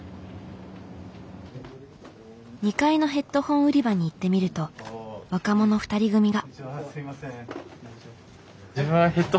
２階のヘッドホン売り場に行ってみると若者２人組が。